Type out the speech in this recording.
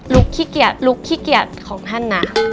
ขี้เกียจลุคขี้เกียจของท่านนะ